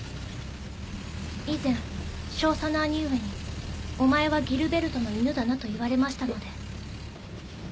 以前少佐の兄上に「お前はギルベルトの犬だな」と言われましたので。